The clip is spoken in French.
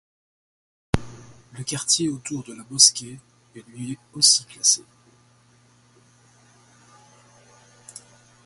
Le quartier autour de la mosquée est lui aussi classé.